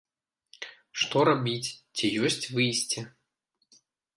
Што рабіць, ці ёсць выйсце?